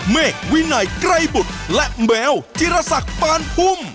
เมฆวินัยไกรบุตรและแมวจิรษักปานพุ่ม